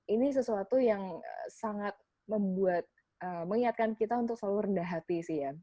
ini sesuatu yang sangat membuat mengingatkan kita untuk selalu rendah hati sih ya